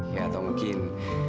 ya atau mungkin